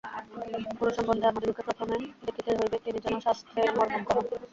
গুরু সম্বন্ধে আমাদিগকে প্রথমে দেখিতে হইবে, তিনি যেন শাস্ত্রের মর্মজ্ঞ হন।